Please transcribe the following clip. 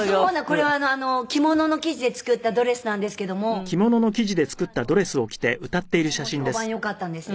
これは着物の生地で作ったドレスなんですけども本当にとっても評判良かったんです。